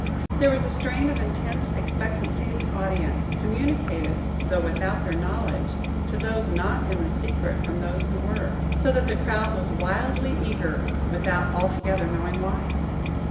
There was a strain of intense expectancy in the audience, communicated, though without their knowledge, to those not in the secret from those who were; so that the crowd was wildly eager, without altogether knowing why.